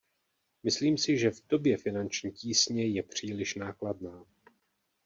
Myslím si, že v době finanční tísně je příliš nákladná.